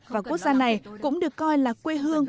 và quốc gia này cũng được coi là quê hương